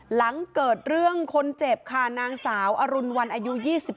หลังเกิดเรื่องคนเจ็บค่ะนางสาวอรุณวันอายุ๒๓